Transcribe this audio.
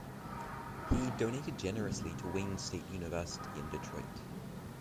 He donated generously to Wayne State University in Detroit.